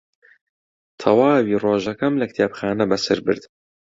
تەواوی ڕۆژەکەم لە کتێبخانە بەسەر برد.